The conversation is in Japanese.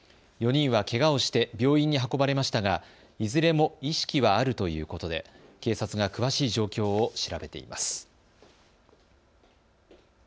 ４人はけがをして病院に運ばれましたがいずれも意識はあるということで警察が詳しい状況を調べています。